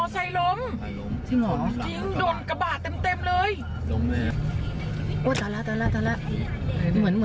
มอไซลมจริงหรอจริงโดนกระบาดเต็มเลย